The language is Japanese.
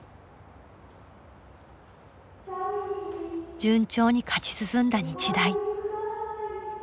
順調に勝ち進んだ日大。